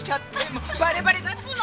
もうバレバレだっつーの！